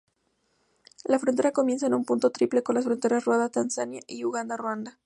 La frontera comienza en un punto triple con las fronteras Ruanda-Tanzania y Uganda-Ruanda.